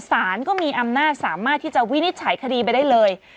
สารก็มีอำนาจสามารถที่จะวินิจฉัยคดีไปได้เลย